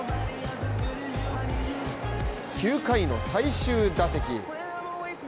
９回の最終打席。